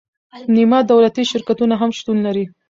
نیمه دولتي شرکتونه هم شتون لري.